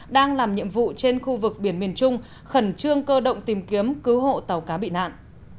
đang làm nhiệm vụ trên khu vực biển miền trung khẩn trương cơ động tìm kiếm cứu hộ tàu cá bị nạn